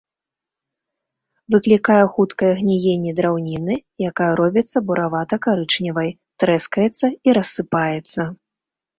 Выклікае хуткае гніенне драўніны, якая робіцца буравата-карычневай, трэскаецца і рассыпаецца.